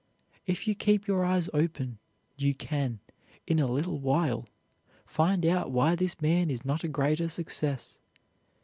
If you keep your eyes open, you can, in a little while, find out why this man is not a greater success.